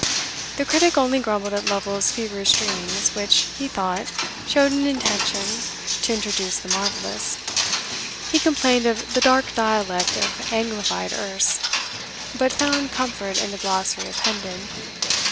The critic only grumbled at Lovel's feverish dreams, which, he thought, showed an intention to introduce the marvellous. He complained of "the dark dialect of Anglified Erse," but found comfort in the glossary appended.